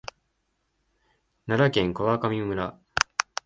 奈良県川上村